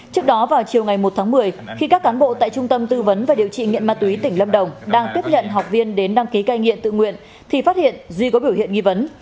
trước đó vào chiều ngày một tháng một mươi khi các cán bộ tại trung tâm tư vấn và điều trị nghiện ma túy tỉnh lâm đồng đang tiếp nhận học viên đến đăng ký cai nghiện tự nguyện thì phát hiện duy có biểu hiện nghi vấn